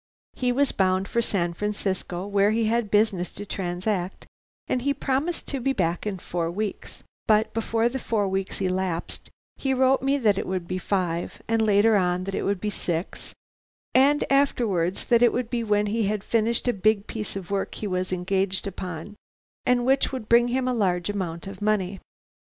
He was bound for San Francisco, where he had business to transact, and he promised to be back in four weeks, but before the four weeks elapsed, he wrote me that it would be five, and later on that it would be six, and afterwards that it would be when he had finished a big piece of work he was engaged upon, and which would bring him a large amount of money.